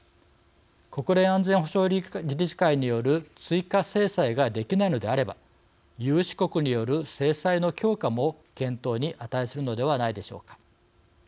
国連安全保障理事会による追加制裁ができないのであれば有志国による制裁の強化も検討に値するのではないでしょうか。